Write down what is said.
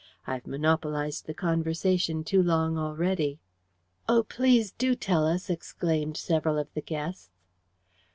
I've monopolized the conversation too long already." "Oh, please do tell us!" exclaimed several of the guests.